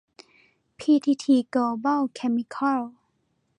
พีทีที โกลบอล เคมิคอล